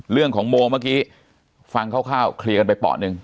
เรื่องของโมเมื่อกี้ฟังคร่าวคร่าวเคลียร์กันไปป่อนึง